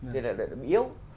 thì là yếu